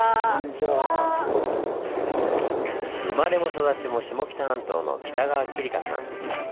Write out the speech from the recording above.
生まれも育ちも下北半島の北川桐香さん。